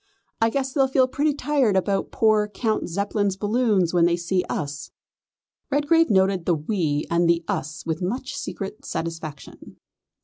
I guess they'll feel pretty tired about poor Count Zeppelin's balloon when they see us." Redgrave noted the "we" and the "us" with much secret satisfaction.